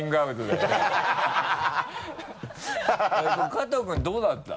加藤君どうだった？